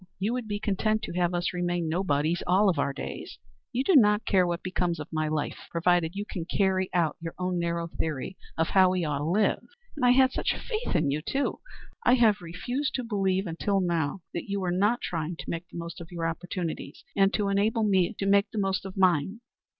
You would be content to have us remain nobodies all our days. You do not care what becomes of my life, provided you can carry out your own narrow theory of how we ought to live. And I had such faith in you, too! I have refused to believe until now that you were not trying to make the most of your opportunities, and to enable me to make the most of mine."